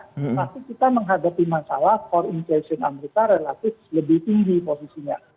tapi kita menghadapi masalah for inflation amerika relatif lebih tinggi posisinya